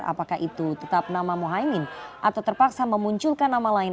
apakah itu tetap nama mohaimin atau terpaksa memunculkan nama lain